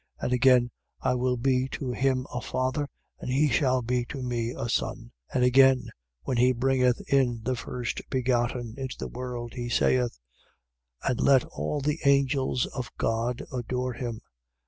And again: I will be to him a Father, and he shall be to me a Son? 1:6. And again, when he bringeth in the first begotten into the world, he saith: And let all the angels of God adore him.